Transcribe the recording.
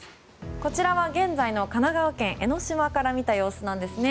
こちらは現在の神奈川県江の島から見た様子なんですね。